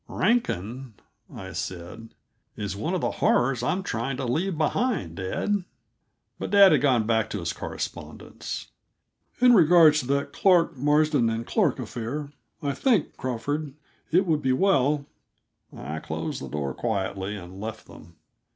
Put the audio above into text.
"Rankin," I said, "is one of the horrors I'm trying to leave behind, dad." But dad had gone back to his correspondence. "In regard to that Clark, Marsden, and Clark affair, I think, Crawford, it would be well " I closed the door quietly and left them.